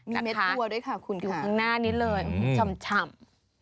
มีเม็ดบัวด้วยค่ะคุณอยู่ข้างหน้านี้เลยชำ